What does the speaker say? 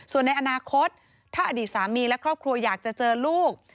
ส่วนในอนาคตถ้าอดีตสามีและครอบครัวอยากจะเจอลูก